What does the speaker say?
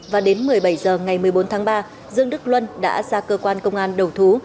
và đến một mươi bảy h ngày một mươi bốn tháng ba dương đức luân đã ra cơ quan công an đầu thú